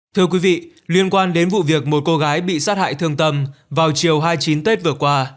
thưa quý vị liên quan đến vụ việc một cô gái bị sát hại thương tâm vào chiều hai mươi chín tết vừa qua